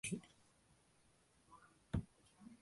ஆள் போனால் சண்டை வருமென்று நாயை விட்டு ஏவின மாதிரி.